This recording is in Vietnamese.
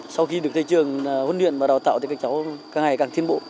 sau khi được thầy trường huấn luyện và đào tạo thì các cháu càng ngày càng tiến bộ